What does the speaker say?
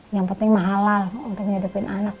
yang penting mah halal untuk menyedepin anak